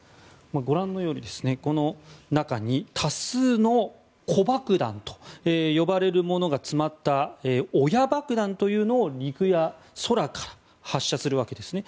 ご覧のようにこの中に多数の子爆弾と呼ばれるものが詰まった親爆弾というのを陸や空から発射するわけですね。